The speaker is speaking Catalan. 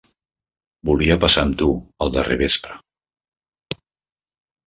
Volia passar amb tu el darrer vespre.